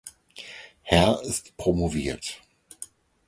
Herr ist promoviert.